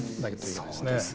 そうですね。